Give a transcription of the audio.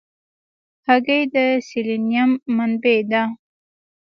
هګۍ د سلینیم منبع ده.